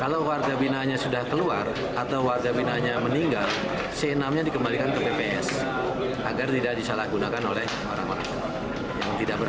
kalau warga binahnya sudah keluar atau warga binahnya meninggal c enam nya dikembalikan ke tps agar tidak disalahgunakan oleh orang orang yang tidak berhak